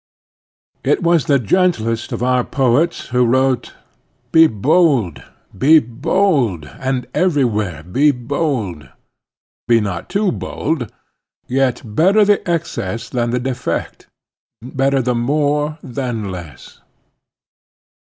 T was the gentlest of our poets who wrote: "Be bolde! Be bolde! and everywhere, Be bolde"; Be not too bold! Yet better the excess Than the defect ; better the more than less.